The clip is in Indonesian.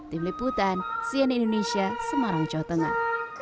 tim liputan cnn indonesia semarang jawa tengah